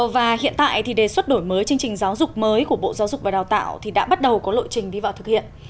và hiện tại thì đề xuất đổi mới chương trình giáo dục mới của bộ giáo dục và đào tạo thì đã bắt đầu có lộ trình đi vào thực hiện